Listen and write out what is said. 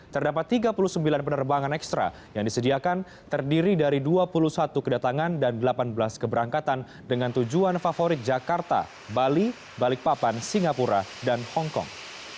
terdapat tiga puluh sembilan penerbangan ekstra yang disediakan terdiri dari dua puluh satu kedatangan dan delapan belas keberangkatan dengan tujuan favorit jakarta bali balikpapan singapura dan hongkong